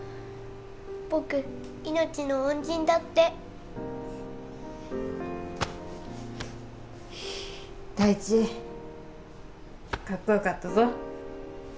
僕命の恩人だって大地かっこよかったぞ